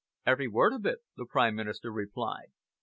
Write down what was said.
"Every word of it," the Prime Minister replied.